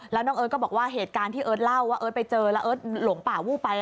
แล้วน้องเอิร์ทก็บอกว่าเหตุการณ์ที่เอิร์ทเล่าว่าเอิร์ทไปเจอแล้วเอิร์ทหลงป่าวูบไป